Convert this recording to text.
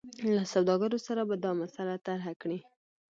له سوداګرو سره به دا مسله طرحه کړي.